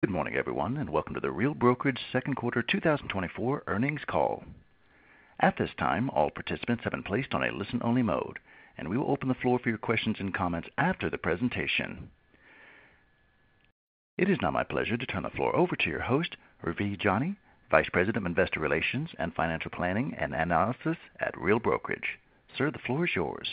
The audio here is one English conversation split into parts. Good morning, everyone, and welcome to the Real Brokerage's Q1 2024 earnings call. At this time, all participants have been placed on a listen-only mode, and we will open the floor for your questions and comments after the presentation. It is now my pleasure to turn the floor over to your host, Ravi Jani, Vice President of Investor Relations and Financial Planning and Analysis at Real Brokerage. Sir, the floor is yours.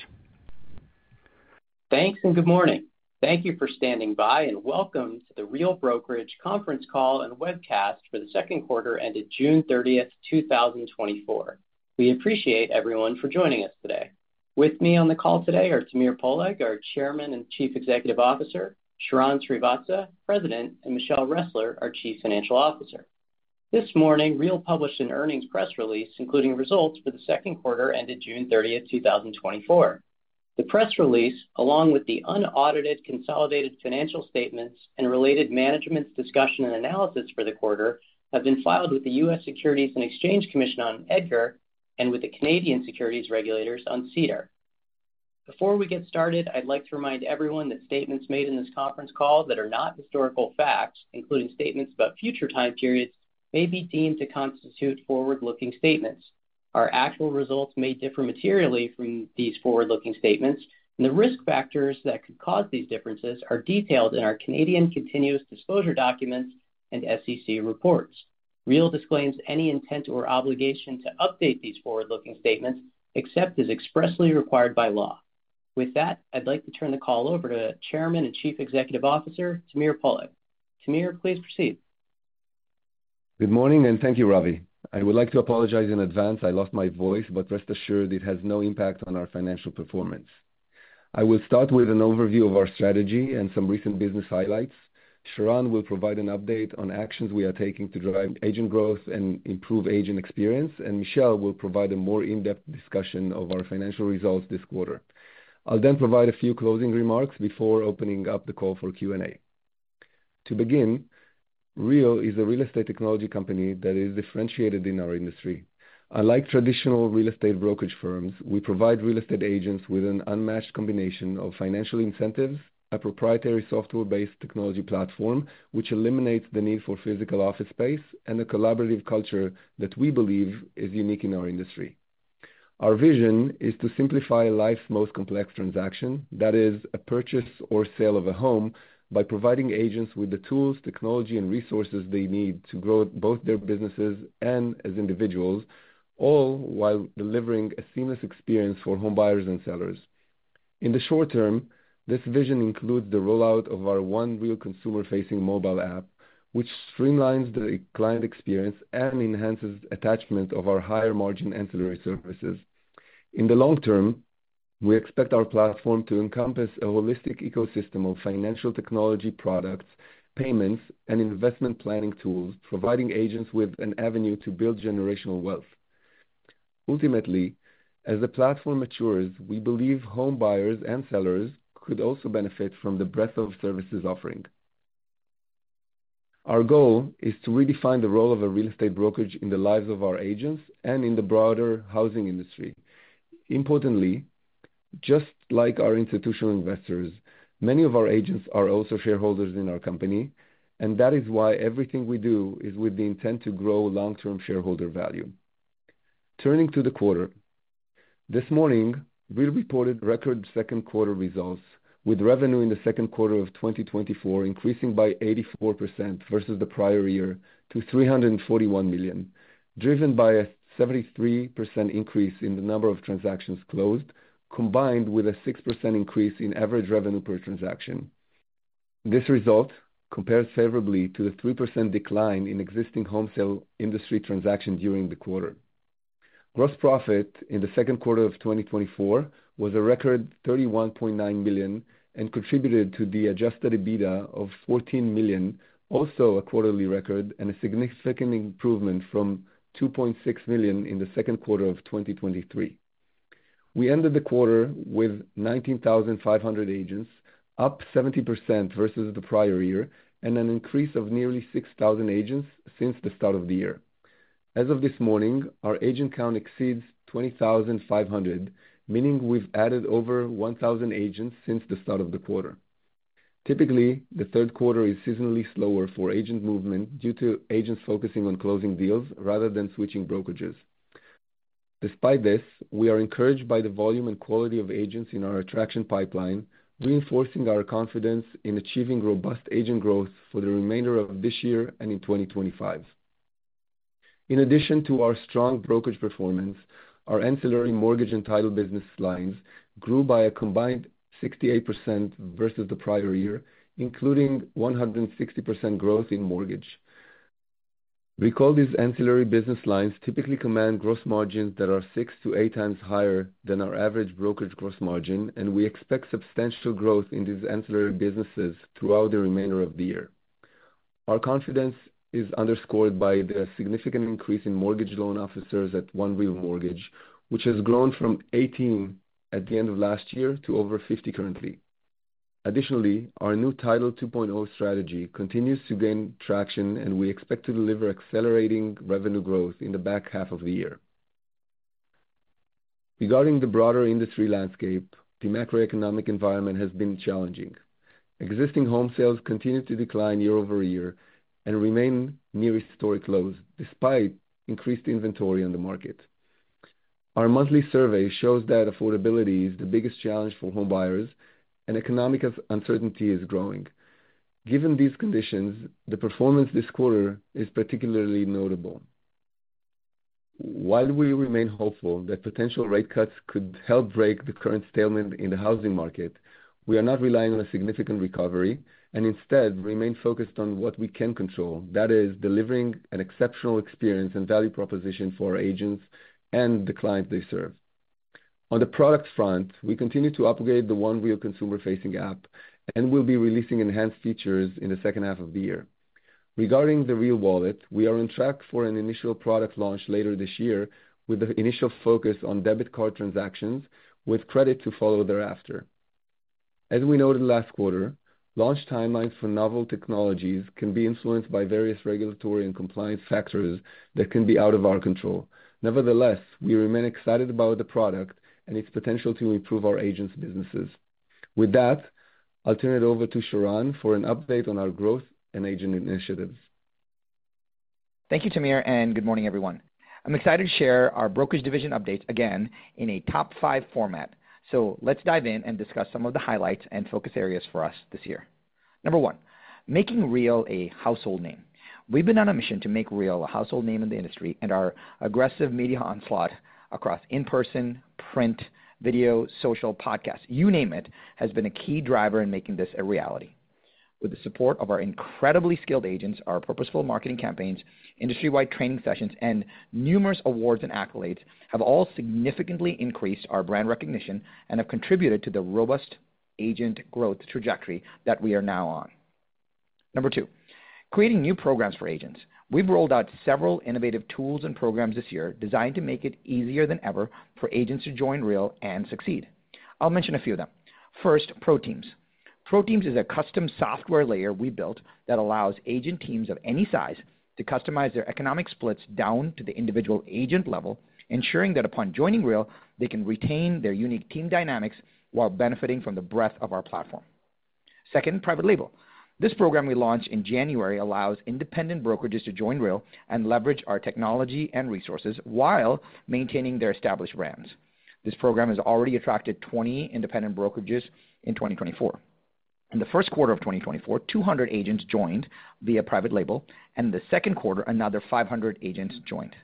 Thanks, and good morning. Thank you for standing by, and welcome to the Real Brokerage conference call and webcast for the second quarter ended June 30th, 2024. We appreciate everyone for joining us today. With me on the call today are Tamir Poleg, our Chairman and Chief Executive Officer; Sharran Srivatsaa, President; and Michelle Ressler, our Chief Financial Officer. This morning, Real published an earnings press release including results for the second quarter ended June 30th, 2024. The press release, along with the unaudited consolidated financial statements and related Management's Discussion and Analysis for the quarter, have been filed with the U.S. Securities and Exchange Commission on EDGAR and with the Canadian securities regulators on SEDAR. Before we get started, I'd like to remind everyone that statements made in this conference call that are not historical facts, including statements about future time periods, may be deemed to constitute forward-looking statements. Our actual results may differ materially from these forward-looking statements, and the risk factors that could cause these differences are detailed in our Canadian continuous disclosure documents and SEC reports. Real disclaims any intent or obligation to update these forward-looking statements except as expressly required by law. With that, I'd like to turn the call over to Chairman and Chief Executive Officer Tamir Poleg. Tamir, please proceed. Good morning, and thank you, Ravi. I would like to apologize in advance. I lost my voice, but rest assured it has no impact on our financial performance. I will start with an overview of our strategy and some recent business highlights. Sharran will provide an update on actions we are taking to drive agent growth and improve agent experience, and Michelle will provide a more in-depth discussion of our financial results this quarter. I'll then provide a few closing remarks before opening up the call for Q&A. To begin, Real is a real estate technology company that is differentiated in our industry. Unlike traditional real estate brokerage firms, we provide real estate agents with an unmatched combination of financial incentives, a proprietary software-based technology platform which eliminates the need for physical office space, and a collaborative culture that we believe is unique in our industry. Our vision is to simplify life's most complex transaction. That is, a purchase or sale of a home by providing agents with the tools, technology, and resources they need to grow both their businesses and as individuals, all while delivering a seamless experience for homebuyers and sellers. In the short term, this vision includes the rollout of our One Real consumer-facing mobile app, which streamlines the client experience and enhances attachment of our higher-margin ancillary services. In the long term, we expect our platform to encompass a holistic ecosystem of financial technology products, payments, and investment planning tools, providing agents with an avenue to build generational wealth. Ultimately, as the platform matures, we believe homebuyers and sellers could also benefit from the breadth of services offerings. Our goal is to redefine the role of a real estate brokerage in the lives of our agents and in the broader housing industry. Importantly, just like our institutional investors, many of our agents are also shareholders in our company, and that is why everything we do is with the intent to grow long-term shareholder value. Turning to the quarter, this morning, Real reported record second quarter results, with revenue in the second quarter of 2024 increasing by 84% versus the prior year to $341 million, driven by a 73% increase in the number of transactions closed, combined with a 6% increase in average revenue per transaction. This result compares favorably to the 3% decline in existing home sale industry transactions during the quarter. Gross profit in the second quarter of 2024 was a record $31.9 million and contributed to the Adjusted EBITDA of $14 million, also a quarterly record and a significant improvement from $2.6 million in the second quarter of 2023. We ended the quarter with 19,500 agents, up 70% versus the prior year, and an increase of nearly 6,000 agents since the start of the year. As of this morning, our agent count exceeds 20,500, meaning we've added over 1,000 agents since the start of the quarter. Typically, the third quarter is seasonally slower for agent movement due to agents focusing on closing deals rather than switching brokerages. Despite this, we are encouraged by the volume and quality of agents in our attraction pipeline, reinforcing our confidence in achieving robust agent growth for the remainder of this year and in 2025. In addition to our strong brokerage performance, our ancillary mortgage and title business lines grew by a combined 68% versus the prior year, including 160% growth in mortgage. Recall these ancillary business lines typically command gross margins that are 6-8 times higher than our average brokerage gross margin, and we expect substantial growth in these ancillary businesses throughout the remainder of the year. Our confidence is underscored by the significant increase in mortgage loan officers at One Real Mortgage, which has grown from 18 at the end of last year to over 50 currently. Additionally, our new Title 2.0 strategy continues to gain traction, and we expect to deliver accelerating revenue growth in the back half of the year. Regarding the broader industry landscape, the macroeconomic environment has been challenging. Existing home sales continue to decline year-over-year and remain near historic lows despite increased inventory on the market. Our monthly survey shows that affordability is the biggest challenge for homebuyers, and economic uncertainty is growing. Given these conditions, the performance this quarter is particularly notable. While we remain hopeful that potential rate cuts could help break the current stalemate in the housing market, we are not relying on a significant recovery and instead remain focused on what we can control, that is, delivering an exceptional experience and value proposition for our agents and the clients they serve. On the product front, we continue to upgrade the One Real consumer-facing app and will be releasing enhanced features in the second half of the year. Regarding the Real Wallet, we are on track for an initial product launch later this year with the initial focus on debit card transactions, with credit to follow thereafter. As we noted last quarter, launch timelines for novel technologies can be influenced by various regulatory and compliance factors that can be out of our control. Nevertheless, we remain excited about the product and its potential to improve our agents' businesses. With that, I'll turn it over to Sharran for an update on our growth and agent initiatives. Thank you, Tamir, and good morning, everyone. I'm excited to share our brokerage division updates again in a top five format. So let's dive in and discuss some of the highlights and focus areas for us this year. Number one, making Real a household name. We've been on a mission to make Real a household name in the industry, and our aggressive media onslaught across in-person, print, video, social, podcasts, you name it, has been a key driver in making this a reality. With the support of our incredibly skilled agents, our purposeful marketing campaigns, industry-wide training sessions, and numerous awards and accolades have all significantly increased our brand recognition and have contributed to the robust agent growth trajectory that we are now on. Number two, creating new programs for agents. We've rolled out several innovative tools and programs this year designed to make it easier than ever for agents to join Real and succeed. I'll mention a few of them. First, ProTeams. ProTeams is a custom software layer we built that allows agent teams of any size to customize their economic splits down to the individual agent level, ensuring that upon joining Real, they can retain their unique team dynamics while benefiting from the breadth of our platform. Second, Private Label. This program we launched in January allows independent brokerages to join Real and leverage our technology and resources while maintaining their established brands. This program has already attracted 20 independent brokerages in 2024. In the first quarter of 2024, 200 agents joined via Private Label, and in the second quarter, another 500 agents joined.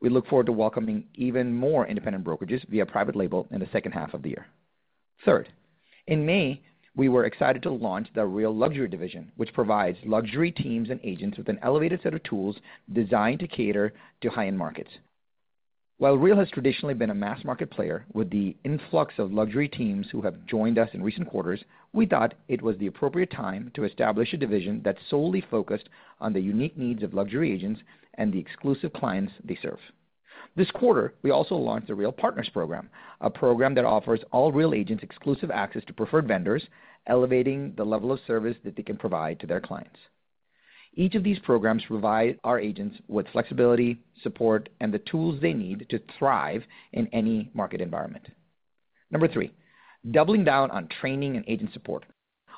We look forward to welcoming even more independent brokerages via Private Label in the second half of the year. Third, in May, we were excited to launch the Real Luxury division, which provides luxury teams and agents with an elevated set of tools designed to cater to high-end markets. While Real has traditionally been a mass market player with the influx of luxury teams who have joined us in recent quarters, we thought it was the appropriate time to establish a division that solely focused on the unique needs of luxury agents and the exclusive clients they serve. This quarter, we also launched the Real Partners program, a program that offers all Real agents exclusive access to preferred vendors, elevating the level of service that they can provide to their clients. Each of these programs provides our agents with flexibility, support, and the tools they need to thrive in any market environment. Number 3, doubling down on training and agent support.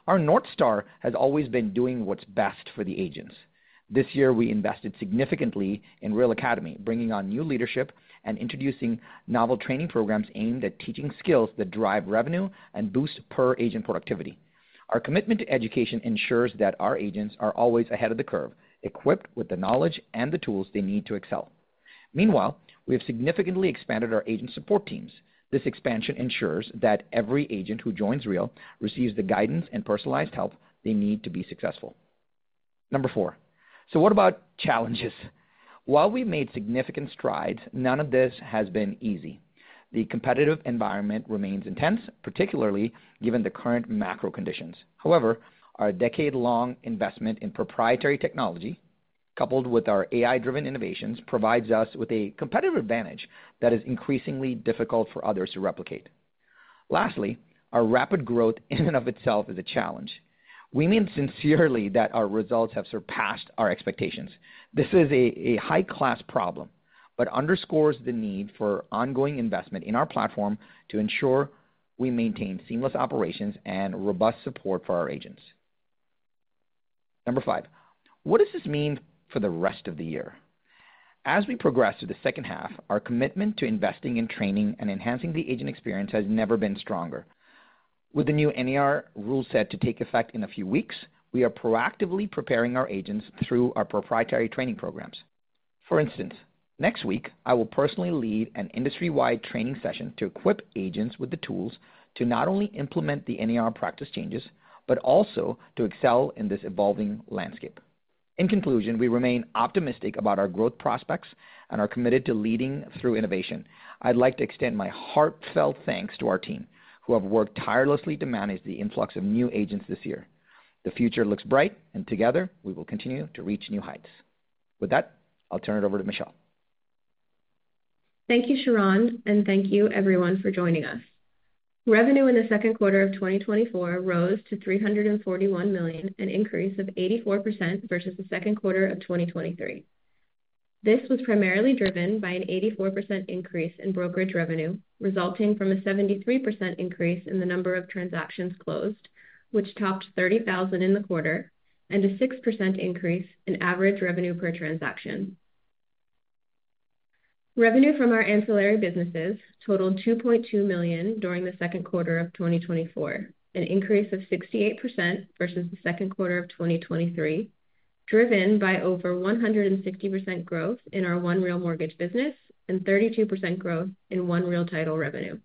Our North Star has always been doing what's best for the agents. This year, we invested significantly in Real Academy, bringing on new leadership and introducing novel training programs aimed at teaching skills that drive revenue and boost per-agent productivity. Our commitment to education ensures that our agents are always ahead of the curve, equipped with the knowledge and the tools they need to excel. Meanwhile, we have significantly expanded our agent support teams. This expansion ensures that every agent who joins Real receives the guidance and personalized help they need to be successful. Number 4, so what about challenges? While we've made significant strides, none of this has been easy. The competitive environment remains intense, particularly given the current macro conditions. However, our decade-long investment in proprietary technology, coupled with our AI-driven innovations, provides us with a competitive advantage that is increasingly difficult for others to replicate. Lastly, our rapid growth in and of itself is a challenge. We mean sincerely that our results have surpassed our expectations. This is a high-class problem but underscores the need for ongoing investment in our platform to ensure we maintain seamless operations and robust support for our agents. Number five, what does this mean for the rest of the year? As we progress through the second half, our commitment to investing in training and enhancing the agent experience has never been stronger. With the new NAR rule set to take effect in a few weeks, we are proactively preparing our agents through our proprietary training programs. For instance, next week, I will personally lead an industry-wide training session to equip agents with the tools to not only implement the NAR practice changes but also to excel in this evolving landscape. In conclusion, we remain optimistic about our growth prospects and are committed to leading through innovation. I'd like to extend my heartfelt thanks to our team, who have worked tirelessly to manage the influx of new agents this year. The future looks bright, and together, we will continue to reach new heights. With that, I'll turn it over to Michelle. Thank you, Sharran, and thank you, everyone, for joining us. Revenue in the second quarter of 2024 rose to $341 million, an increase of 84% versus the second quarter of 2023. This was primarily driven by an 84% increase in brokerage revenue, resulting from a 73% increase in the number of transactions closed, which topped 30,000 in the quarter, and a 6% increase in average revenue per transaction. Revenue from our ancillary businesses totaled $2.2 million during the second quarter of 2024, an increase of 68% versus the second quarter of 2023, driven by over 160% growth in our One Real Mortgage business and 32% growth in One Real Title revenue.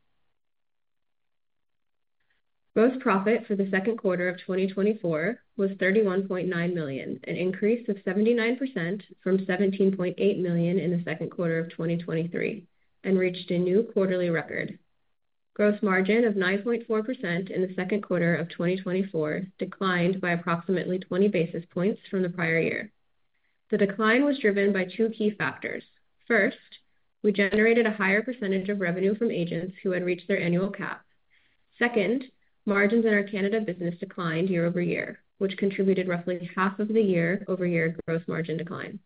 Gross profit for the second quarter of 2024 was $31.9 million, an increase of 79% from $17.8 million in the second quarter of 2023, and reached a new quarterly record. Gross margin of 9.4% in the second quarter of 2024 declined by approximately 20 basis points from the prior year. The decline was driven by two key factors. First, we generated a higher percentage of revenue from agents who had reached their annual cap. Second, margins in our Canada business declined year-over-year, which contributed roughly half of the year-over-year gross margin decline.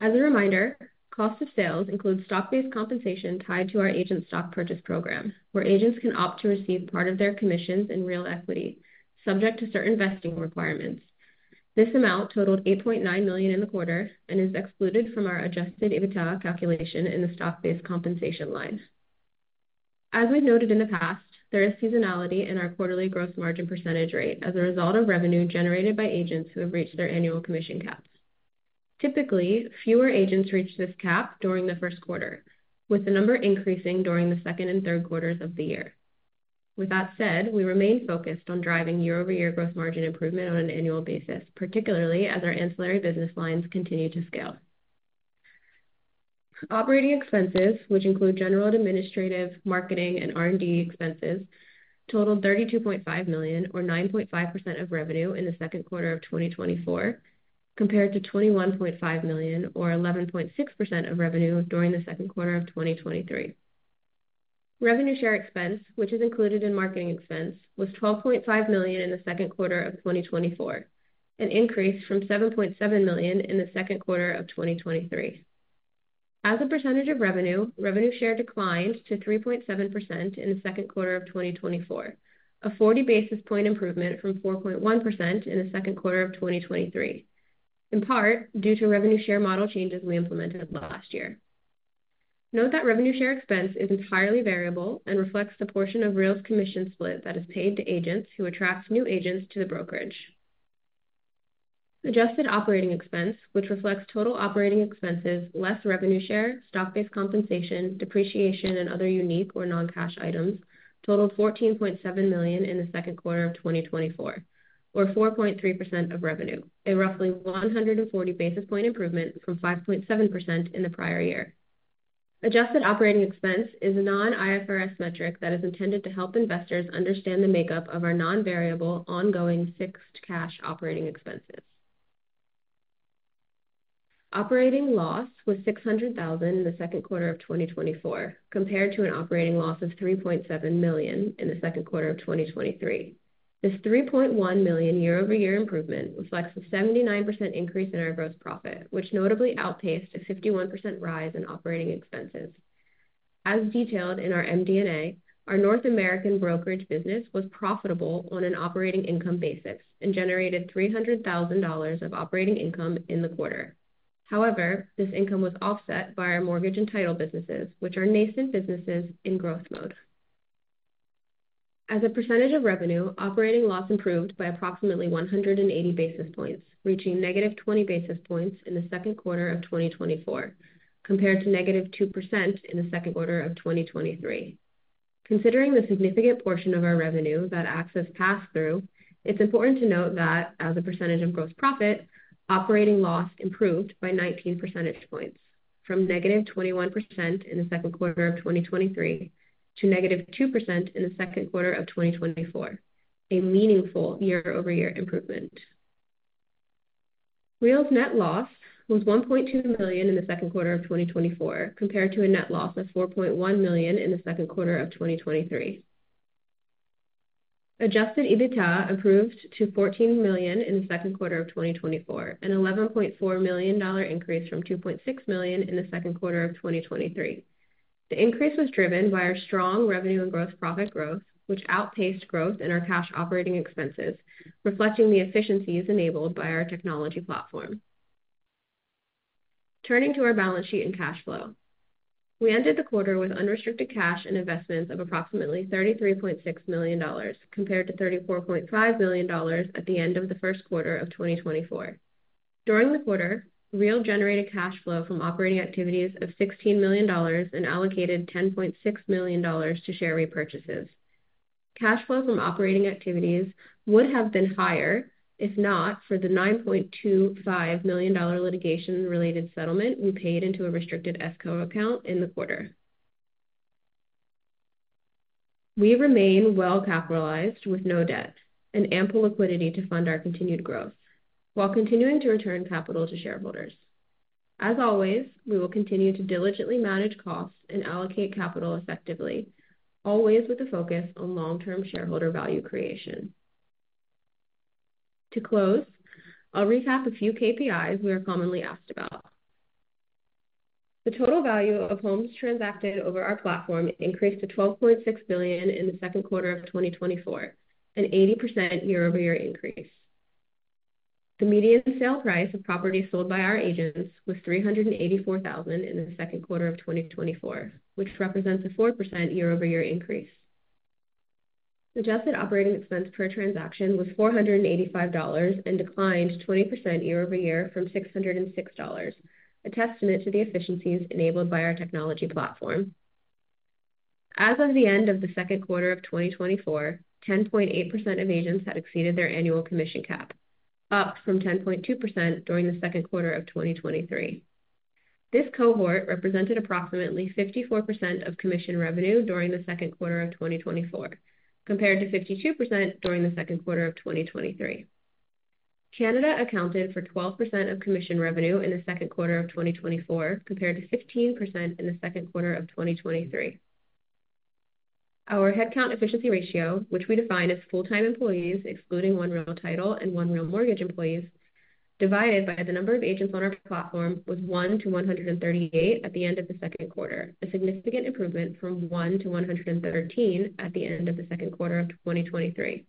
As a reminder, cost of sales includes stock-based compensation tied to our agent stock purchase program, where agents can opt to receive part of their commissions in Real equity, subject to certain vesting requirements. This amount totaled $8.9 million in the quarter and is excluded from our adjusted EBITDA calculation in the stock-based compensation line. As we've noted in the past, there is seasonality in our quarterly gross margin percentage rate as a result of revenue generated by agents who have reached their annual commission caps. Typically, fewer agents reach this cap during the first quarter, with the number increasing during the second and third quarters of the year. With that said, we remain focused on driving year-over-year gross margin improvement on an annual basis, particularly as our ancillary business lines continue to scale. Operating expenses, which include general administrative, marketing, and R&D expenses, totaled $32.5 million, or 9.5% of revenue in the second quarter of 2024, compared to $21.5 million, or 11.6% of revenue during the second quarter of 2023. Revenue share expense, which is included in marketing expense, was $12.5 million in the second quarter of 2024, an increase from $7.7 million in the second quarter of 2023. As a percentage of revenue, revenue share declined to 3.7% in the second quarter of 2024, a 40 basis point improvement from 4.1% in the second quarter of 2023, in part due to revenue share model changes we implemented last year. Note that revenue share expense is entirely variable and reflects the portion of Real's commission split that is paid to agents who attract new agents to the brokerage. Adjusted operating expense, which reflects total operating expenses less revenue share, stock-based compensation, depreciation, and other unique or non-cash items, totaled $14.7 million in the second quarter of 2024, or 4.3% of revenue, a roughly 140 basis point improvement from 5.7% in the prior year. Adjusted operating expense is a non-IFRS metric that is intended to help investors understand the makeup of our non-variable ongoing fixed cash operating expenses. Operating loss was $600,000 in the second quarter of 2024, compared to an operating loss of $3.7 million in the second quarter of 2023. This $3.1 million year-over-year improvement reflects a 79% increase in our gross profit, which notably outpaced a 51% rise in operating expenses. As detailed in our MD&A, our North American brokerage business was profitable on an operating income basis and generated $300,000 of operating income in the quarter. However, this income was offset by our mortgage and title businesses, which are nascent businesses in growth mode. As a percentage of revenue, operating loss improved by approximately 180 basis points, reaching negative 20 basis points in the second quarter of 2024, compared to negative 2% in the second quarter of 2023. Considering the significant portion of our revenue that acts as pass-through, it's important to note that, as a percentage of gross profit, operating loss improved by 19 percentage points from negative 21% in the second quarter of 2023 to negative 2% in the second quarter of 2024, a meaningful year-over-year improvement. Real's net loss was $1.2 million in the second quarter of 2024, compared to a net loss of $4.1 million in the second quarter of 2023. Adjusted EBITDA improved to $14 million in the second quarter of 2024, an $11.4 million increase from $2.6 million in the second quarter of 2023. The increase was driven by our strong revenue and gross profit growth, which outpaced growth in our cash operating expenses, reflecting the efficiencies enabled by our technology platform. Turning to our balance sheet and cash flow, we ended the quarter with unrestricted cash and investments of approximately $33.6 million, compared to $34.5 million at the end of the first quarter of 2024. During the quarter, Real generated cash flow from operating activities of $16 million and allocated $10.6 million to share repurchases. Cash flow from operating activities would have been higher if not for the $9.25 million litigation-related settlement we paid into a restricted escrow account in the quarter. We remain well-capitalized with no debt and ample liquidity to fund our continued growth, while continuing to return capital to shareholders. As always, we will continue to diligently manage costs and allocate capital effectively, always with a focus on long-term shareholder value creation. To close, I'll recap a few KPIs we are commonly asked about. The total value of homes transacted over our platform increased to $12.6 billion in the second quarter of 2024, an 80% year-over-year increase. The median sale price of properties sold by our agents was $384,000 in the second quarter of 2024, which represents a 4% year-over-year increase. Adjusted operating expense per transaction was $485 and declined 20% year-over-year from $606, a testament to the efficiencies enabled by our technology platform. As of the end of the second quarter of 2024, 10.8% of agents had exceeded their annual commission cap, up from 10.2% during the second quarter of 2023. This cohort represented approximately 54% of commission revenue during the second quarter of 2024, compared to 52% during the second quarter of 2023. Canada accounted for 12% of commission revenue in the second quarter of 2024, compared to 15% in the second quarter of 2023. Our headcount efficiency ratio, which we define as full-time employees excluding One Real Title and One Real Mortgage employees, divided by the number of agents on our platform, was 1:138 at the end of the second quarter, a significant improvement from 1:113 at the end of the second quarter of 2023.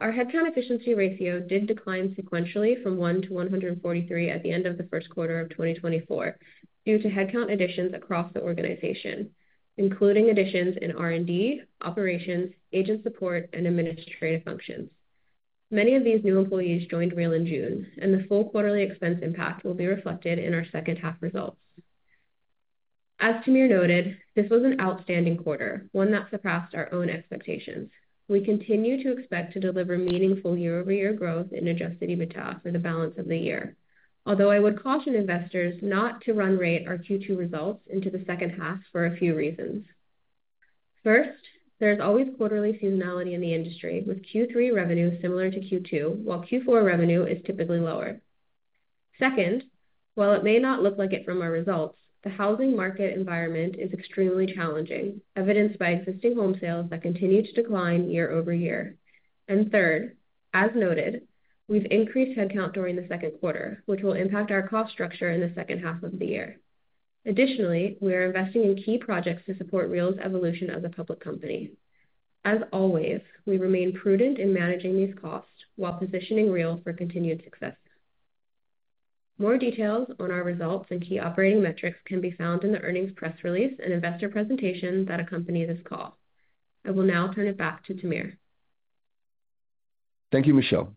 Our headcount efficiency ratio did decline sequentially from 1:143 at the end of the first quarter of 2024 due to headcount additions across the organization, including additions in R&D, operations, agent support, and administrative functions. Many of these new employees joined Real in June, and the full quarterly expense impact will be reflected in our second half results. As Tamir noted, this was an outstanding quarter, one that surpassed our own expectations. We continue to expect to deliver meaningful year-over-year growth in Adjusted EBITDA for the balance of the year, although I would caution investors not to run rate our Q2 results into the second half for a few reasons. First, there is always quarterly seasonality in the industry, with Q3 revenue similar to Q2, while Q4 revenue is typically lower. Second, while it may not look like it from our results, the housing market environment is extremely challenging, evidenced by existing home sales that continue to decline year-over-year. Third, as noted, we've increased headcount during the second quarter, which will impact our cost structure in the second half of the year. Additionally, we are investing in key projects to support Real's evolution as a public company. As always, we remain prudent in managing these costs while positioning Real for continued success. More details on our results and key operating metrics can be found in the earnings press release and investor presentation that accompany this call. I will now turn it back to Tamir. Thank you, Michelle.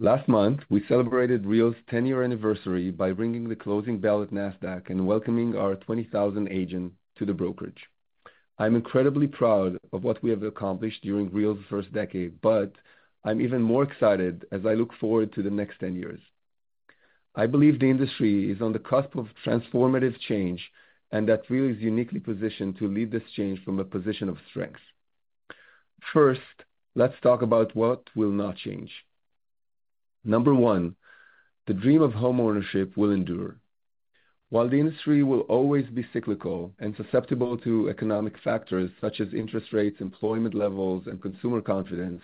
Last month, we celebrated Real's 10-year anniversary by ringing the closing bell at NASDAQ and welcoming our 20,000 agents to the brokerage. I'm incredibly proud of what we have accomplished during Real's first decade, but I'm even more excited as I look forward to the next 10 years. I believe the industry is on the cusp of transformative change and that Real is uniquely positioned to lead this change from a position of strength. First, let's talk about what will not change. Number one, the dream of home ownership will endure. While the industry will always be cyclical and susceptible to economic factors such as interest rates, employment levels, and consumer confidence,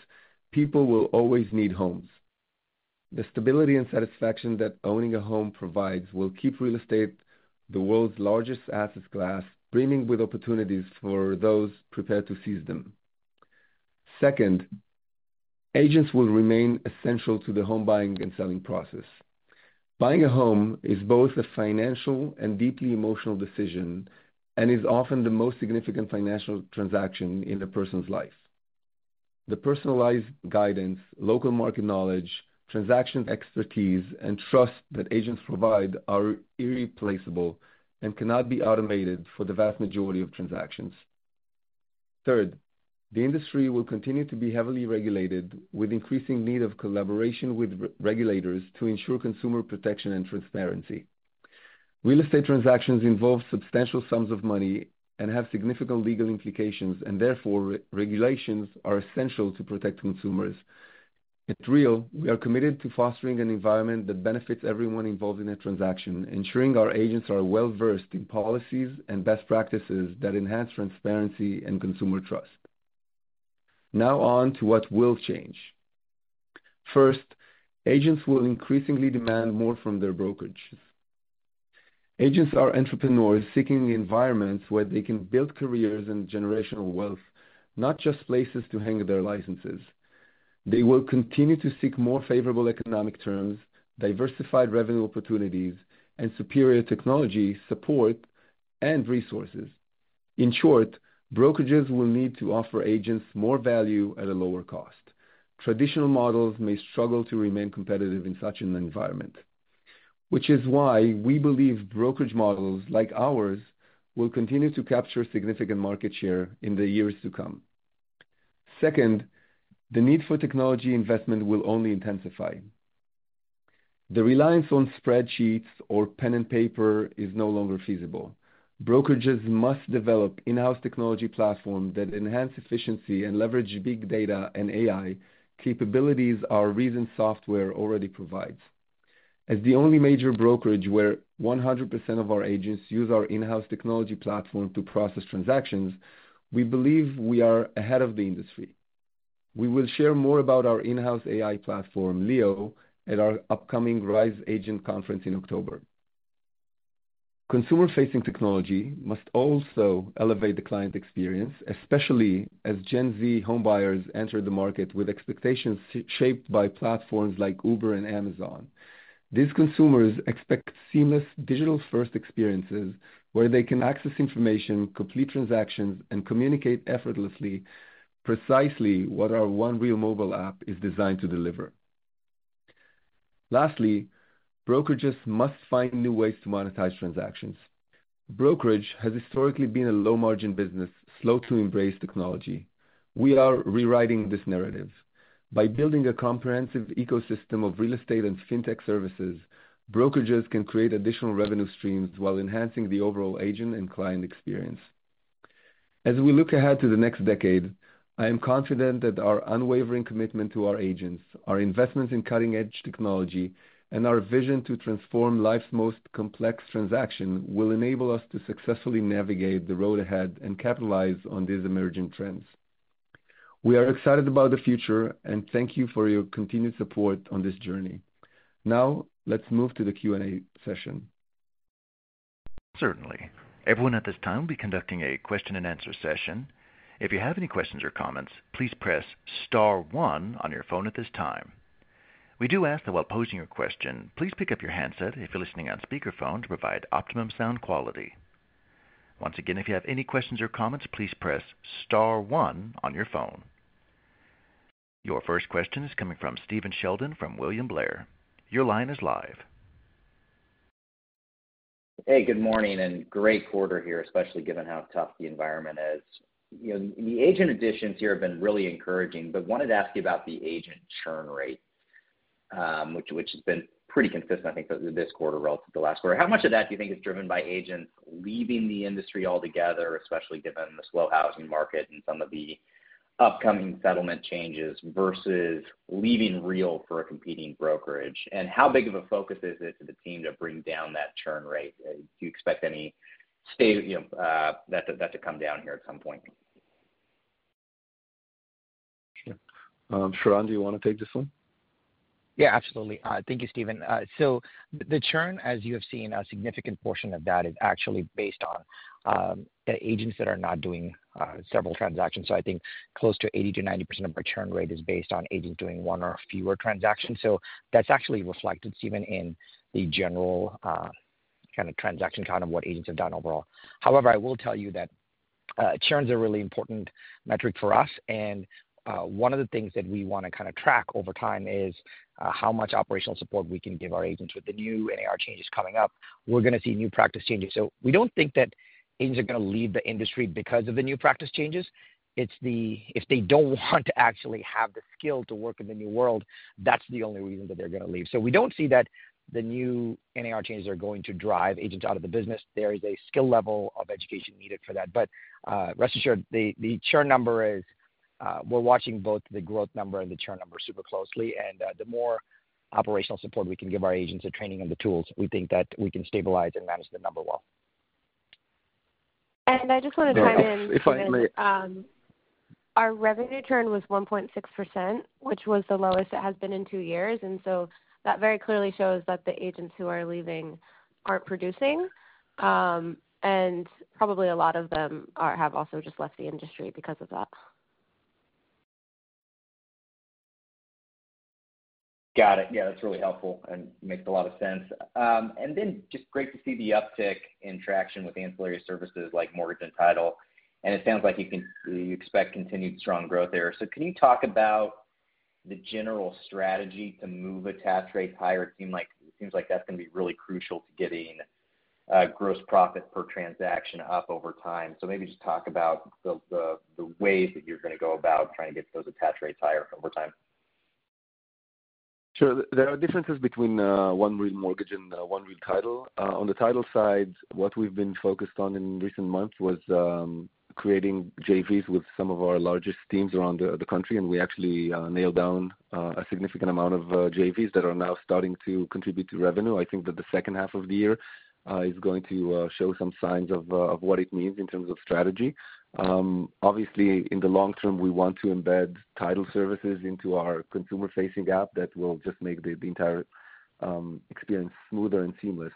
people will always need homes. The stability and satisfaction that owning a home provides will keep real estate the world's largest asset class, brimming with opportunities for those prepared to seize them. Second, agents will remain essential to the home buying and selling process. Buying a home is both a financial and deeply emotional decision and is often the most significant financial transaction in a person's life. The personalized guidance, local market knowledge, transaction expertise, and trust that agents provide are irreplaceable and cannot be automated for the vast majority of transactions. Third, the industry will continue to be heavily regulated, with increasing need for collaboration with regulators to ensure consumer protection and transparency. Real estate transactions involve substantial sums of money and have significant legal implications, and therefore, regulations are essential to protect consumers. At Real, we are committed to fostering an environment that benefits everyone involved in a transaction, ensuring our agents are well-versed in policies and best practices that enhance transparency and consumer trust. Now on to what will change. First, agents will increasingly demand more from their brokerages. Agents are entrepreneurs seeking environments where they can build careers and generational wealth, not just places to hang their licenses. They will continue to seek more favorable economic terms, diversified revenue opportunities, and superior technology support and resources. In short, brokerages will need to offer agents more value at a lower cost. Traditional models may struggle to remain competitive in such an environment, which is why we believe brokerage models like ours will continue to capture significant market share in the years to come. Second, the need for technology investment will only intensify. The reliance on spreadsheets or pen and paper is no longer feasible. Brokerages must develop in-house technology platforms that enhance efficiency and leverage big data and AI capabilities our recent software already provides. As the only major brokerage where 100% of our agents use our in-house technology platform to process transactions, we believe we are ahead of the industry. We will share more about our in-house AI platform, Leo, at our upcoming RISE Agent Conference in October. Consumer-facing technology must also elevate the client experience, especially as Gen Z homebuyers enter the market with expectations shaped by platforms like Uber and Amazon. These consumers expect seamless digital-first experiences where they can access information, complete transactions, and communicate effortlessly, precisely what our One Real mobile app is designed to deliver. Lastly, brokerages must find new ways to monetize transactions. Brokerage has historically been a low-margin business, slow to embrace technology. We are rewriting this narrative. By building a comprehensive ecosystem of real estate and fintech services, brokerages can create additional revenue streams while enhancing the overall agent and client experience. As we look ahead to the next decade, I am confident that our unwavering commitment to our agents, our investments in cutting-edge technology, and our vision to transform life's most complex transaction will enable us to successfully navigate the road ahead and capitalize on these emerging trends. We are excited about the future, and thank you for your continued support on this journey. Now, let's move to the Q&A session. Certainly. Everyone at this time will be conducting a question-and-answer session. If you have any questions or comments, please press Star one on your phone at this time. We do ask that while posing your question, please pick up your handset if you're listening on speakerphone to provide optimum sound quality. Once again, if you have any questions or comments, please press Star one on your phone. Your first question is coming from Stephen Sheldon from William Blair. Your line is live. Hey, good morning and great quarter here, especially given how tough the environment is. The agent additions here have been really encouraging, but wanted to ask you about the agent churn rate, which has been pretty consistent, I think, this quarter relative to the last quarter. How much of that do you think is driven by agents leaving the industry altogether, especially given the slow housing market and some of the upcoming settlement changes versus leaving Real for a competing brokerage? And how big of a focus is it to the team to bring down that churn rate? Do you expect that to come down here at some point? Sure. Sharran, do you want to take this one? Yeah, absolutely. Thank you, Stephen. So the churn, as you have seen, a significant portion of that is actually based on agents that are not doing several transactions. So I think close to 80%-90% of our churn rate is based on agents doing one or fewer transactions. So that's actually reflected, Steven, in the general kind of transaction count of what agents have done overall. However, I will tell you that churns are a really important metric for us. And one of the things that we want to kind of track over time is how much operational support we can give our agents with the new NAR changes coming up. We're going to see new practice changes. So we don't think that agents are going to leave the industry because of the new practice changes. It's if they don't want to actually have the skill to work in the new world, that's the only reason that they're going to leave. So we don't see that the new NAR changes are going to drive agents out of the business. There is a skill level of education needed for that. But rest assured, the churn number, we're watching both the growth number and the churn number super closely. And the more operational support we can give our agents and training and the tools, we think that we can stabilize and manage the number well. I just want to chime in. Our revenue churn was 1.6%, which was the lowest it has been in two years. And so that very clearly shows that the agents who are leaving aren't producing. And probably a lot of them have also just left the industry because of that. Got it. Yeah, that's really helpful and makes a lot of sense. And then just great to see the uptick in traction with ancillary services like mortgage and title. And it sounds like you expect continued strong growth there. So can you talk about the general strategy to move attach rates higher? It seems like that's going to be really crucial to getting gross profit per transaction up over time. So maybe just talk about the ways that you're going to go about trying to get those attach rates higher over time. Sure. There are differences between One Real Mortgage and One Real Title. On the title side, what we've been focused on in recent months was creating JVs with some of our largest teams around the country. And we actually nailed down a significant amount of JVs that are now starting to contribute to revenue. I think that the second half of the year is going to show some signs of what it means in terms of strategy. Obviously, in the long term, we want to embed title services into our consumer-facing app that will just make the entire experience smoother and seamless.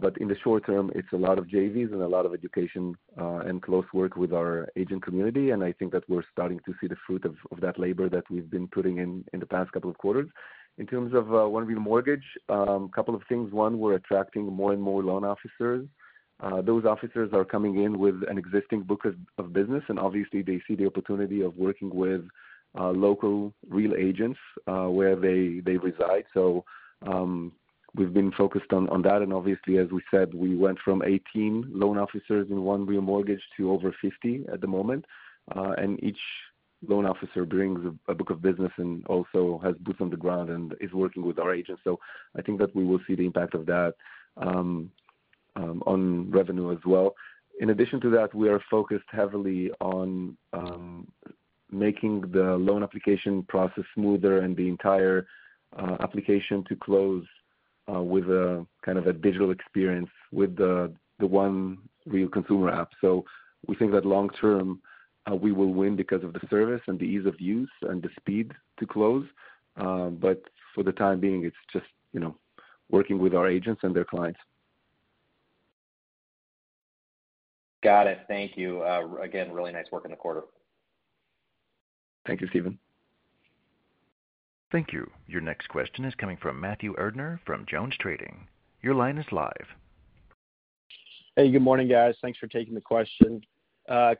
But in the short term, it's a lot of JVs and a lot of education and close work with our agent community. And I think that we're starting to see the fruit of that labor that we've been putting in the past couple of quarters. In terms of One Real Mortgage, a couple of things. One, we're attracting more and more loan officers. Those officers are coming in with an existing book of business. And obviously, they see the opportunity of working with local Real agents where they reside. So we've been focused on that. And obviously, as we said, we went from 18 loan officers in One Real Mortgage to over 50 at the moment. And each loan officer brings a book of business and also has boots on the ground and is working with our agents. So I think that we will see the impact of that on revenue as well. In addition to that, we are focused heavily on making the loan application process smoother and the entire application to close with a kind of a digital experience with the One Real app. We think that long term, we will win because of the service and the ease of use and the speed to close. For the time being, it's just working with our agents and their clients. Got it. Thank you. Again, really nice work in the quarter. Thank you, Stephen. Thank you. Your next question is coming from Matthew Erdner from JonesTrading. Your line is live. Hey, good morning, guys. Thanks for taking the question.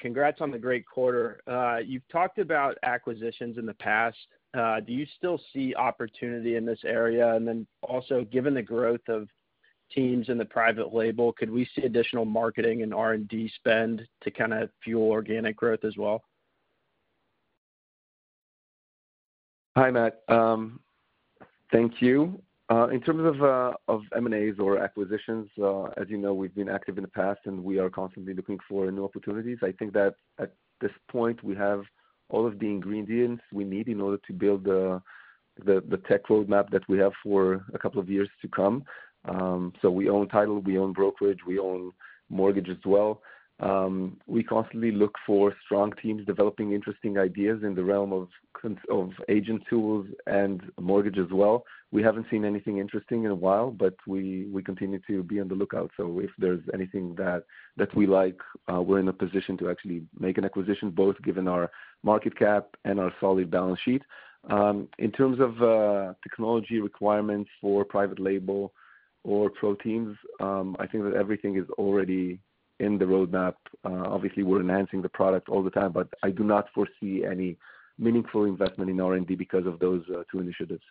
Congrats on the great quarter. You've talked about acquisitions in the past. Do you still see opportunity in this area? And then also, given the growth of teams in the Private Label, could we see additional marketing and R&D spend to kind of fuel organic growth as well? Hi, Matt. Thank you. In terms of M&As or acquisitions, as you know, we've been active in the past, and we are constantly looking for new opportunities. I think that at this point, we have all of the ingredients we need in order to build the tech roadmap that we have for a couple of years to come. So we own title, we own brokerage, we own mortgage as well. We constantly look for strong teams developing interesting ideas in the realm of agent tools and mortgage as well. We haven't seen anything interesting in a while, but we continue to be on the lookout. So if there's anything that we like, we're in a position to actually make an acquisition, both given our market cap and our solid balance sheet. In terms of technology requirements for Private Label or ProTeams, I think that everything is already in the roadmap. Obviously, we're enhancing the product all the time, but I do not foresee any meaningful investment in R&D because of those two initiatives.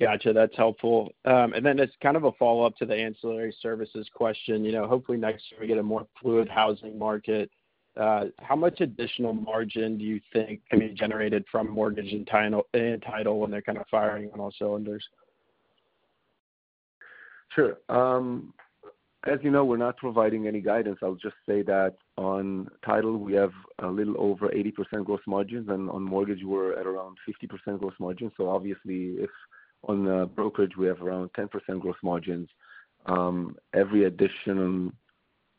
Gotcha. That's helpful. And then it's kind of a follow-up to the ancillary services question. Hopefully, next year, we get a more fluid housing market. How much additional margin do you think can be generated from mortgage and title when they're kind of firing on all cylinders? Sure. As you know, we're not providing any guidance. I'll just say that on title, we have a little over 80% gross margins. And on mortgage, we're at around 50% gross margins. So obviously, if on brokerage, we have around 10% gross margins, every additional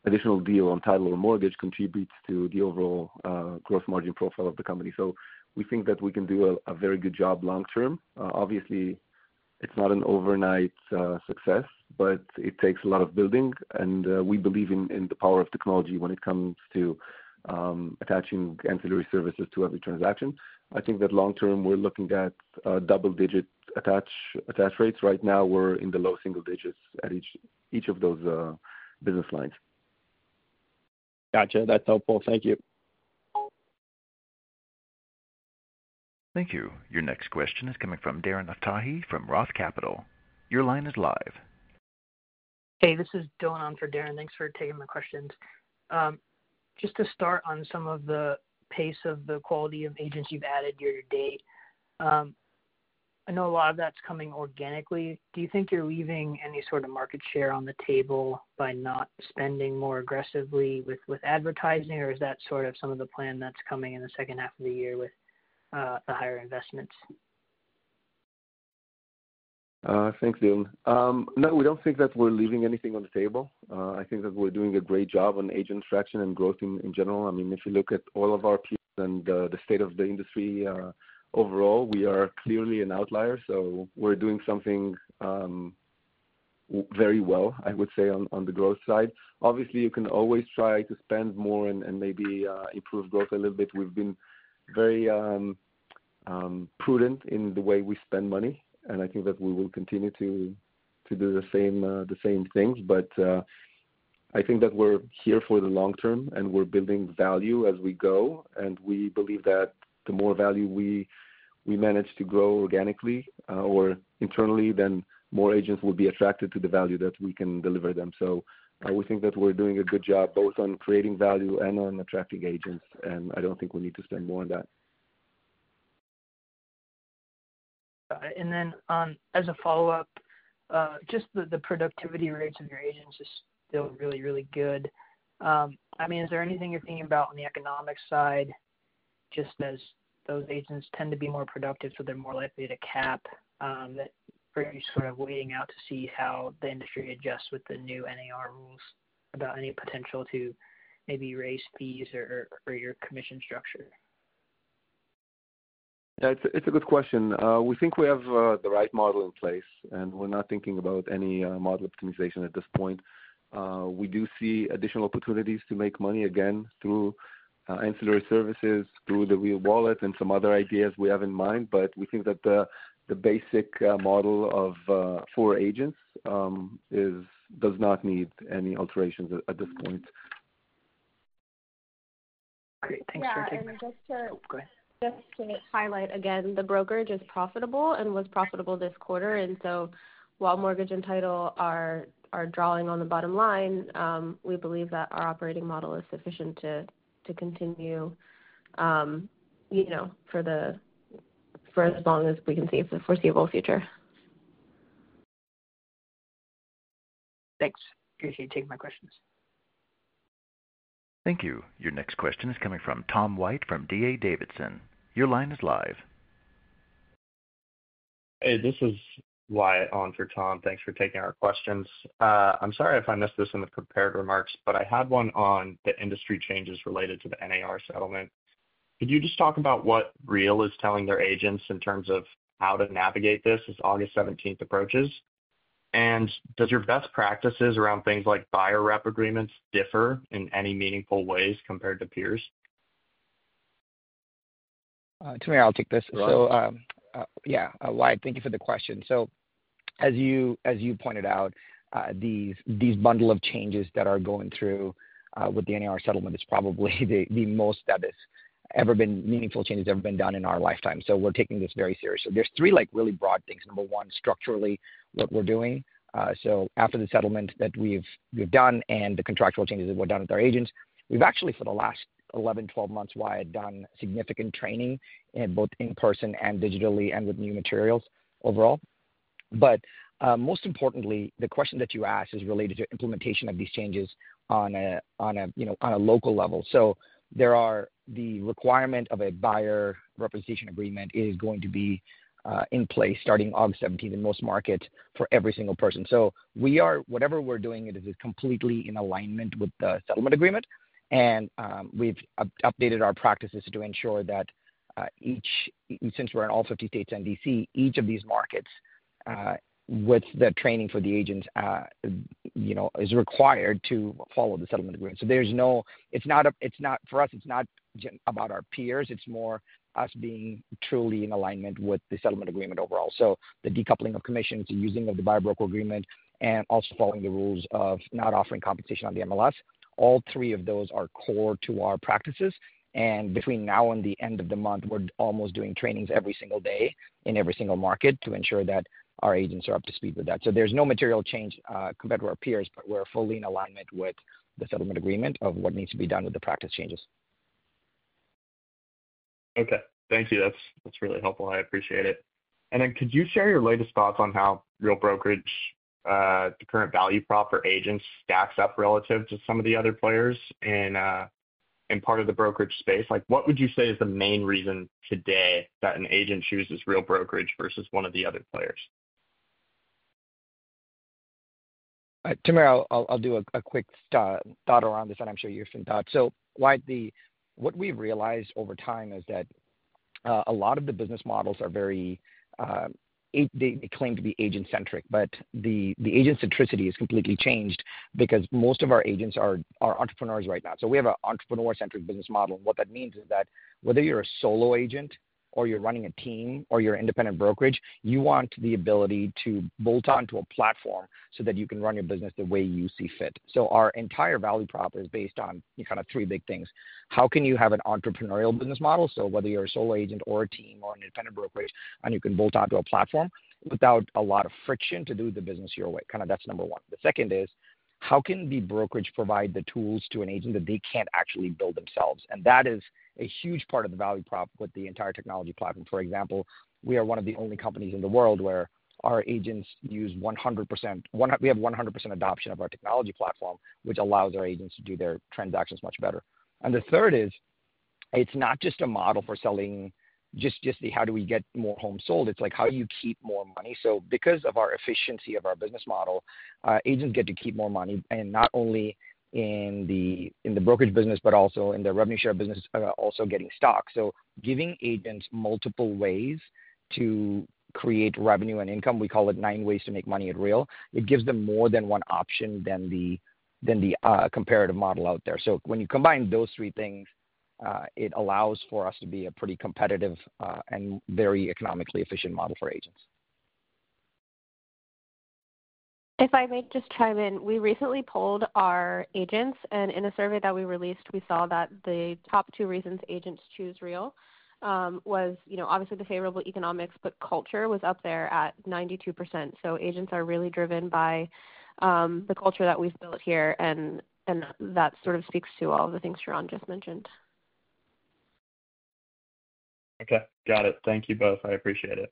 deal on title or mortgage contributes to the overall gross margin profile of the company. So we think that we can do a very good job long term. Obviously, it's not an overnight success, but it takes a lot of building. And we believe in the power of technology when it comes to attaching ancillary services to every transaction. I think that long term, we're looking at double-digit attach rates. Right now, we're in the low single digits at each of those business lines. Gotcha. That's helpful. Thank you. Thank you. Your next question is coming from Darren Aftahi from Roth Capital. Your line is live. Hey, this is Dylan on for Darren. Thanks for taking my questions. Just to start on some of the pace of the quality of agents you've added year to date, I know a lot of that's coming organically. Do you think you're leaving any sort of market share on the table by not spending more aggressively with advertising, or is that sort of some of the plan that's coming in the second half of the year with the higher investments? Thanks, Dylan. No, we don't think that we're leaving anything on the table. I think that we're doing a great job on agent traction and growth in general. I mean, if you look at all of our peers and the state of the industry overall, we are clearly an outlier. So we're doing something very well, I would say, on the growth side. Obviously, you can always try to spend more and maybe improve growth a little bit. We've been very prudent in the way we spend money. I think that we will continue to do the same things. But I think that we're here for the long term, and we're building value as we go. We believe that the more value we manage to grow organically or internally, then more agents will be attracted to the value that we can deliver them. We think that we're doing a good job both on creating value and on attracting agents. I don't think we need to spend more on that. And then as a follow-up, just the productivity rates of your agents are still really, really good. I mean, is there anything you're thinking about on the economic side, just as those agents tend to be more productive, so they're more likely to cap, that you're sort of waiting out to see how the industry adjusts with the new NAR rules about any potential to maybe raise fees or your commission structure? Yeah, it's a good question. We think we have the right model in place, and we're not thinking about any model optimization at this point. We do see additional opportunities to make money again through ancillary services, through the Real Wallet, and some other ideas we have in mind. But we think that the basic model for agents does not need any alterations at this point. Great. Thanks for taking that. And just to.... Oh, go ahead. Just to highlight again, the brokerage is profitable and was profitable this quarter. And so while mortgage and title are drawing on the bottom line, we believe that our operating model is sufficient to continue for as long as we can see for the foreseeable future. Thanks. Appreciate you taking my questions. Thank you. Your next question is coming from Tom White from D.A. Davidson. Your line is live. Hey, this is Wyatt on for Tom. Thanks for taking our questions. I'm sorry if I missed this in the prepared remarks, but I had one on the industry changes related to the NAR settlement. Could you just talk about what Real is telling their agents in terms of how to navigate this as August 17th approaches? And does your best practices around things like buyer rep agreements differ in any meaningful ways compared to peers? Tamir, I'll take this. So yeah, yeah, thank you for the question. So as you pointed out, these bundle of changes that are going through with the NAR settlement is probably the most that has ever been meaningful changes that have been done in our lifetime. So we're taking this very seriously. There's three really broad things. Number one, structurally, what we're doing. So after the settlement that we've done and the contractual changes that were done with our agents, we've actually, for the last 11, 12 months, yeah, done significant training both in person and digitally and with new materials overall. But most importantly, the question that you asked is related to implementation of these changes on a local level. So the requirement of a buyer representation agreement is going to be in place starting August 17th in most markets for every single person. Whatever we're doing is completely in alignment with the settlement agreement. We've updated our practices to ensure that since we're in all 50 states and D.C., each of these markets, with the training for the agents, is required to follow the settlement agreement. It's not for us, it's not about our peers. It's more us being truly in alignment with the settlement agreement overall. The decoupling of commissions, the using of the buyer broker agreement, and also following the rules of not offering compensation on the MLS, all three of those are core to our practices. Between now and the end of the month, we're almost doing trainings every single day in every single market to ensure that our agents are up to speed with that. There's no material change compared to our peers, but we're fully in alignment with the settlement agreement of what needs to be done with the practice changes. Okay. Thank you. That's really helpful. I appreciate it. And then could you share your latest thoughts on how Real Brokerage, the current value prop for agents, stacks up relative to some of the other players in part of the brokerage space? What would you say is the main reason today that an agent chooses Real Brokerage versus one of the other players? All right. Tim, I'll do a quick thought around this, and I'm sure you're thinking thought. What we've realized over time is that a lot of the business models are very, they claim to be agent-centric, but the agent-centricity has completely changed because most of our agents are entrepreneurs right now. We have an entrepreneur-centric business model. What that means is that whether you're a solo agent or you're running a team or you're an independent brokerage, you want the ability to bolt onto a platform so that you can run your business the way you see fit. Our entire value prop is based on kind of three big things. How can you have an entrepreneurial business model? So whether you're a solo agent or a team or an independent brokerage, and you can bolt onto a platform without a lot of friction to do the business your way. Kind of that's number one. The second is, how can the brokerage provide the tools to an agent that they can't actually build themselves? And that is a huge part of the value prop with the entire technology platform. For example, we are one of the only companies in the world where our agents use 100%, we have 100% adoption of our technology platform, which allows our agents to do their transactions much better. And the third is, it's not just a model for selling just the, "How do we get more homes sold?" It's like, "How do you keep more money?" So because of our efficiency of our business model, agents get to keep more money not only in the brokerage business, but also in the revenue share business, also getting stock. So giving agents multiple ways to create revenue and income (we call it nine ways to make money at Real) it gives them more than one option than the comparative model out there. So when you combine those three things, it allows for us to be a pretty competitive and very economically efficient model for agents. If I may just chime in, we recently polled our agents. In a survey that we released, we saw that the top two reasons agents choose Real was obviously the favorable economics, but culture was up there at 92%. So agents are really driven by the culture that we've built here. That sort of speaks to all of the things Sharran just mentioned. Okay. Got it. Thank you both. I appreciate it.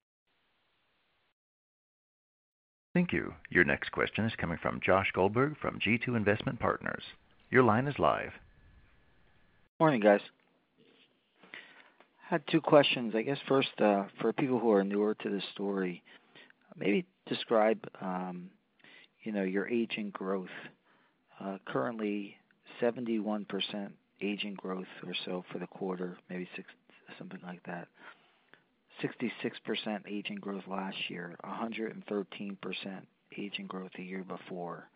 Thank you. Your next question is coming from Josh Goldberg from G2 Investment Partners. Your line is live. Morning, guys. I had two questions. I guess first, for people who are newer to the story, maybe describe your agent growth. Currently, 71% agent growth or so for the quarter, maybe something like that. 66% agent growth last year, 113% agent growth the year before.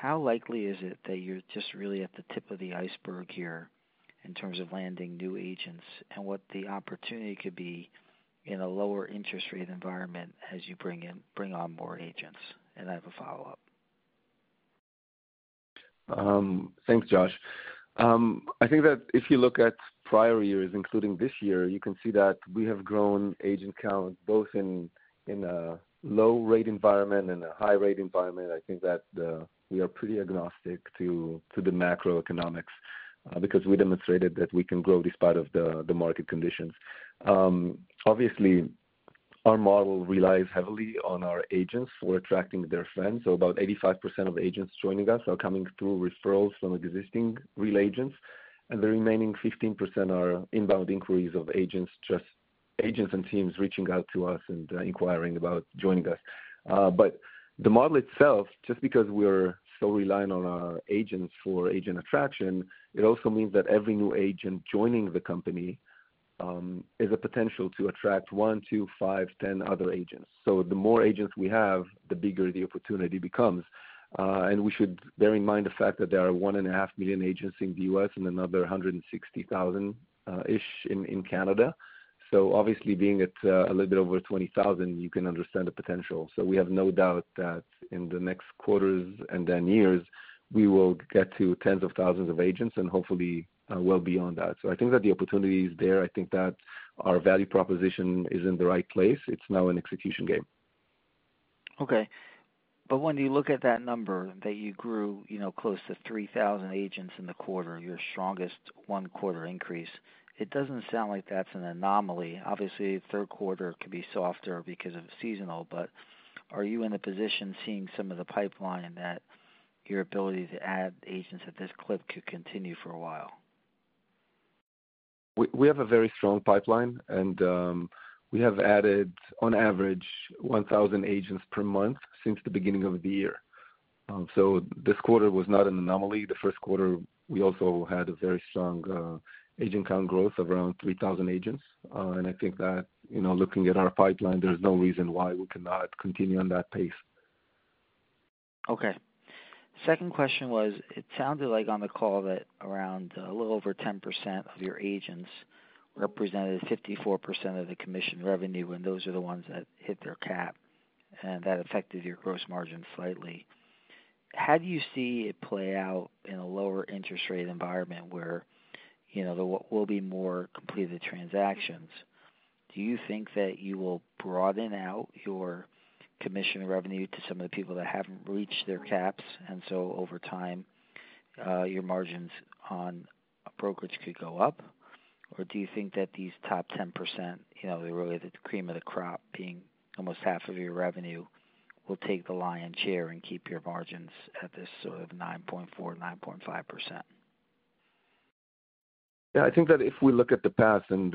How likely is it that you're just really at the tip of the iceberg here in terms of landing new agents and what the opportunity could be in a lower interest rate environment as you bring on more agents? And I have a follow-up. Thanks, Josh. I think that if you look at prior years, including this year, you can see that we have grown agent count both in a low-rate environment and a high-rate environment. I think that we are pretty agnostic to the macroeconomics because we demonstrated that we can grow despite the market conditions. Obviously, our model relies heavily on our agents for attracting their friends. So about 85% of agents joining us are coming through referrals from existing Real agents. And the remaining 15% are inbound inquiries of agents and teams reaching out to us and inquiring about joining us. But the model itself, just because we're so reliant on our agents for agent attraction, it also means that every new agent joining the company is a potential to attract 1, 2, 5, 10 other agents. So the more agents we have, the bigger the opportunity becomes. We should bear in mind the fact that there are 1.5 million agents in the U.S. and another 160,000-ish in Canada. Obviously, being at a little bit over 20,000, you can understand the potential. We have no doubt that in the next quarters and then years, we will get to tens of thousands of agents and hopefully well beyond that. I think that the opportunity is there. I think that our value proposition is in the right place. It's now an execution game. Okay. But when you look at that number that you grew close to 3,000 agents in the quarter, your strongest one-quarter increase, it doesn't sound like that's an anomaly. Obviously, third quarter could be softer because of seasonal. But are you in a position seeing some of the pipeline that your ability to add agents at this clip could continue for a while? We have a very strong pipeline, and we have added, on average, 1,000 agents per month since the beginning of the year. This quarter was not an anomaly. The first quarter, we also had a very strong agent count growth of around 3,000 agents. I think that looking at our pipeline, there's no reason why we cannot continue on that pace. Okay. Second question was, it sounded like on the call that around a little over 10% of your agents represented 54% of the commission revenue, and those are the ones that hit their cap. And that affected your gross margin slightly. How do you see it play out in a lower interest rate environment where there will be more completed transactions? Do you think that you will broaden out your commission revenue to some of the people that haven't reached their caps? And so over time, your margins on brokerage could go up? Or do you think that these top 10%, they're really the cream of the crop, being almost half of your revenue, will take the lion's share and keep your margins at this sort of 9.4%-9.5%? Yeah. I think that if we look at the past, and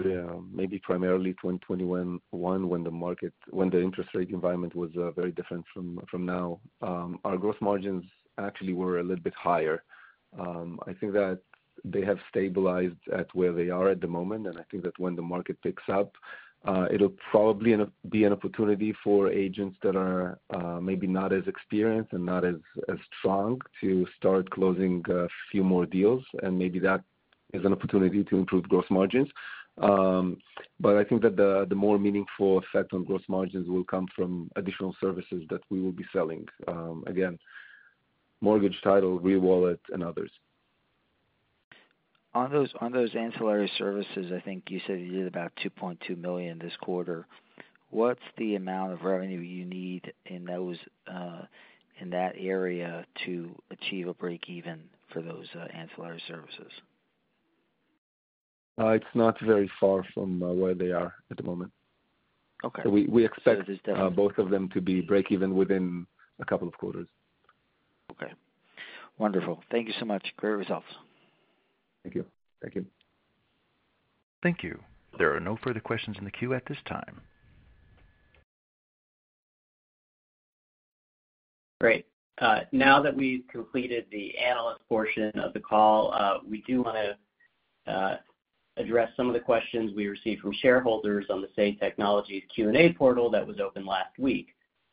maybe primarily 2021, when the interest rate environment was very different from now, our gross margins actually were a little bit higher. I think that they have stabilized at where they are at the moment. I think that when the market picks up, it'll probably be an opportunity for agents that are maybe not as experienced and not as strong to start closing a few more deals. Maybe that is an opportunity to improve gross margins. But I think that the more meaningful effect on gross margins will come from additional services that we will be selling. Again, mortgage, title, Real Wallet, and others. On those ancillary services, I think you said you did about $2.2 million this quarter. What's the amount of revenue you need in that area to achieve a break-even for those ancillary services? It's not very far from where they are at the moment. So we expect both of them to be break-even within a couple of quarters. Okay. Wonderful. Thank you so much. Great results. Thank you. Thank you. Thank you. There are no further questions in the queue at this time. Great. Now that we've completed the analyst portion of the call, we do want to address some of the questions we received from shareholders on the Say Technologies Q&A portal that was open last week.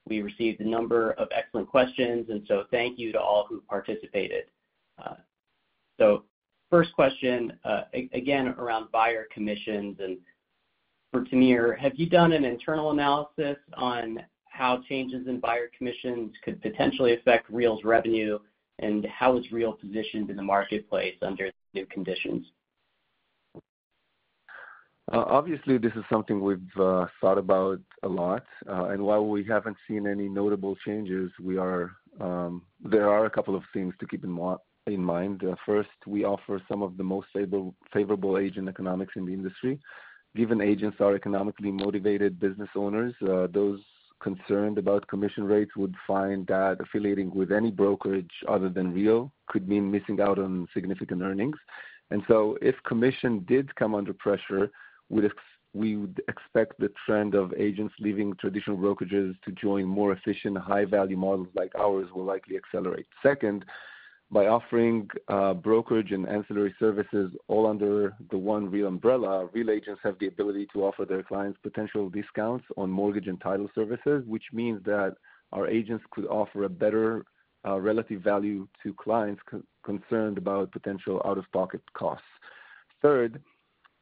We received a number of excellent questions. Thank you to all who participated. First question, again, around buyer commissions. And for Tamir, have you done an internal analysis on how changes in buyer commissions could potentially affect Real's revenue, and how is Real positioned in the marketplace under new conditions? Obviously, this is something we've thought about a lot. While we haven't seen any notable changes, there are a couple of things to keep in mind. First, we offer some of the most favorable agent economics in the industry. Given agents are economically motivated business owners, those concerned about commission rates would find that affiliating with any brokerage other than Real could mean missing out on significant earnings. And so if commission did come under pressure, we would expect the trend of agents leaving traditional brokerages to join more efficient, high-value models like ours will likely accelerate. Second, by offering brokerage and ancillary services all under the one Real umbrella, Real agents have the ability to offer their clients potential discounts on mortgage and title services, which means that our agents could offer a better relative value to clients concerned about potential out-of-pocket costs. Third,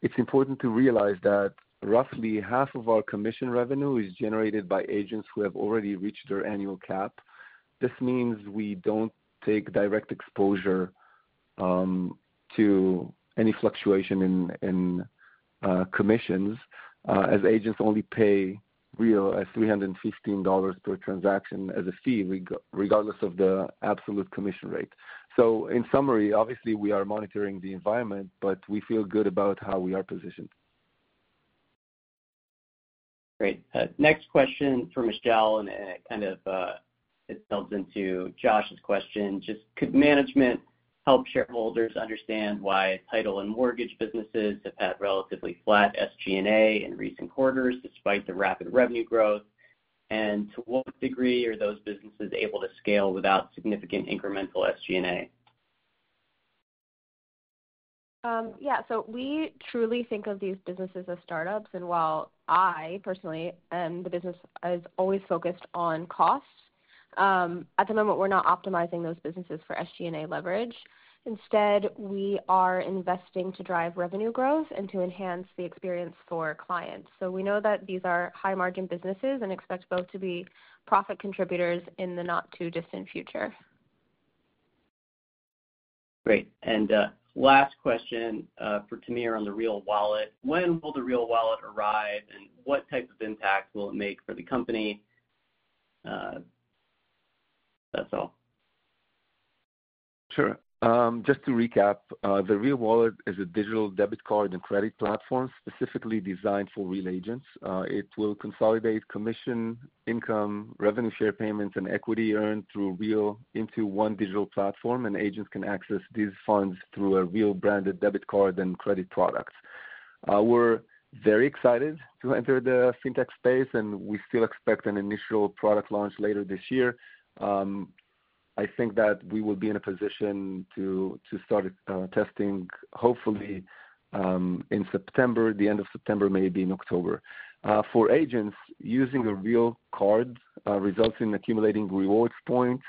it's important to realize that roughly half of our commission revenue is generated by agents who have already reached their annual cap. This means we don't take direct exposure to any fluctuation in commissions as agents only pay Real $315 per transaction as a fee, regardless of the absolute commission rate. So in summary, obviously, we are monitoring the environment, but we feel good about how we are positioned. Great. Next question for Michelle, and it kind of builds into Josh's question. Just could management help shareholders understand why title and mortgage businesses have had relatively flat SG&A in recent quarters despite the rapid revenue growth? And to what degree are those businesses able to scale without significant incremental SG&A? Yeah. So we truly think of these businesses as startups. And while I personally am the business that is always focused on cost, at the moment, we're not optimizing those businesses for SG&A leverage. Instead, we are investing to drive revenue growth and to enhance the experience for clients. So we know that these are high-margin businesses and expect both to be profit contributors in the not-too-distant future. Great. Last question for Tamir on the Real Wallet. When will the Real Wallet arrive, and what type of impact will it make for the company? That's all. Sure. Just to recap, the Real Wallet is a digital debit card and credit platform specifically designed for Real agents. It will consolidate commission, income, revenue share payments, and equity earned through Real into one digital platform, and agents can access these funds through a Real-branded debit card and credit product. We're very excited to enter the fintech space, and we still expect an initial product launch later this year. I think that we will be in a position to start testing, hopefully, in September, the end of September, maybe in October. For agents, using a Real card results in accumulating rewards points,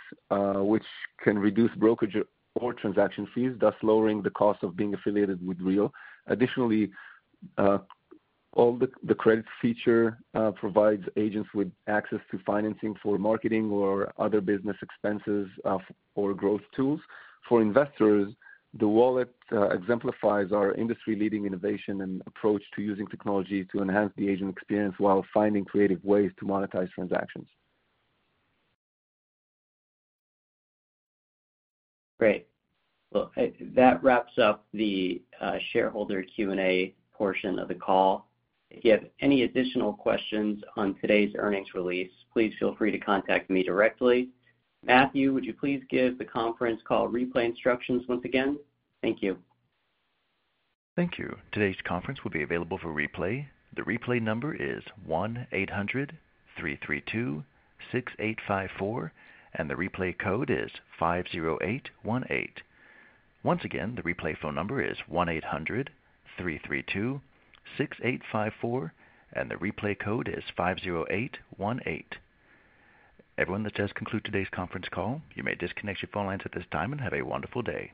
which can reduce brokerage or transaction fees, thus lowering the cost of being affiliated with Real. Additionally, all the credit feature provides agents with access to financing for marketing or other business expenses or growth tools. For investors, the Wallet exemplifies our industry-leading innovation and approach to using technology to enhance the agent experience while finding creative ways to monetize transactions. Great. Well, that wraps up the shareholder Q&A portion of the call. If you have any additional questions on today's earnings release, please feel free to contact me directly. Matthew, would you please give the conference call replay instructions once again? Thank you. Thank you. Today's conference will be available for replay. The replay number is 1-800-332-6854, and the replay code is 50818. Once again, the replay phone number is 1-800-332-6854, and the replay code is 50818. Everyone, this does conclude today's conference call. You may disconnect your phone lines at this time and have a wonderful day.